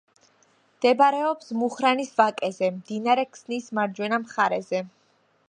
მდებარეობს მუხრანის ვაკეზე, მდინარე ქსნის მარჯვენა მხარეზე.